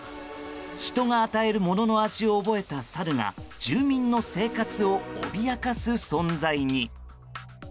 人が与えるものの味を覚えたサルが住民の生活を脅かす存在に。